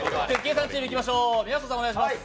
さんチームいきましょう、宮下さん、お願いします。